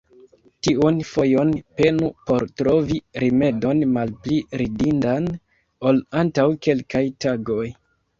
Tiun fojon, penu por trovi rimedon malpli ridindan, ol antaŭ kelkaj tagoj!